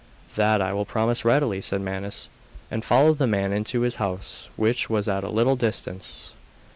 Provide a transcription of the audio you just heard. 'That I will promise readily,' said Manus; and followed the man into his house, which was at a little distance.